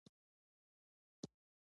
د مالکیت حقوق بې ثباته و.